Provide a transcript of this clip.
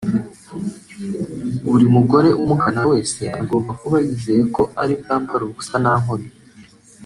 Buri mugore umugana wese agomba kuba yizeye ko ari bwambare ubusa nta nkomyi